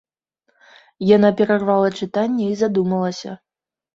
Яна перарвала чытанне і задумалася.